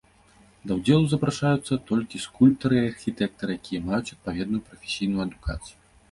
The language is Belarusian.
Да ўдзелу запрашаюцца толькі скульптары і архітэктары, якія маюць адпаведную прафесійную адукацыю.